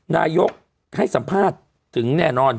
นายกให้สัมภาษณ์ถึงแน่นอน